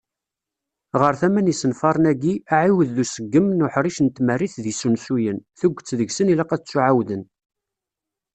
Ɣar tama n yisenfaren-agi, aɛiwed d uṣeggem n uḥric n tmerrit d yisensuyen. Tuget deg-sen ilaq ad ttuɛawden.